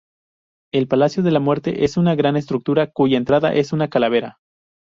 El Palacio de la Muerte es una gran estructura cuya entrada es una calavera.